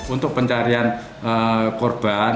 untuk pencarian korban